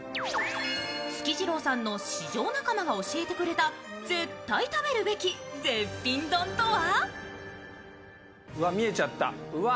つきじろうさんの市場仲間が教えてくれた絶対食べるべき絶品丼とは。